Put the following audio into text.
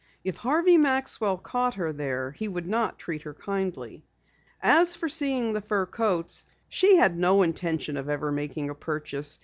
If Harvey Maxwell caught her there he would not treat her kindly. As for seeing the fur coats, she had no intention of ever making a purchase.